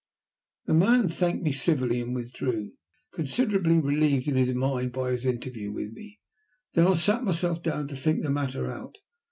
The man thanked me civilly and withdrew, considerably relieved in his mind by his interview with me. Then I sat myself down to think the matter out.